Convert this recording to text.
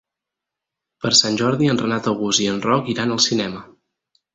Per Sant Jordi en Renat August i en Roc iran al cinema.